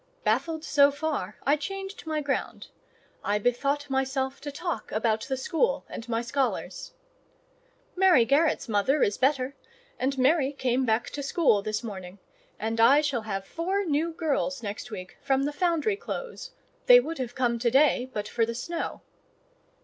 Baffled so far, I changed my ground. I bethought myself to talk about the school and my scholars. "Mary Garrett's mother is better, and Mary came back to the school this morning, and I shall have four new girls next week from the Foundry Close—they would have come to day but for the snow."